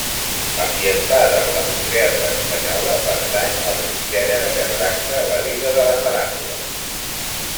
Ambientada en la postguerra espanyola, pertany al subgènere que tracta la vida de la faràndula.